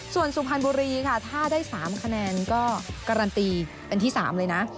ส่วนสุพรรณบุรีค่ะถ้าได้๓คะแนนก็การันตีเป็นที่๓เลยนะ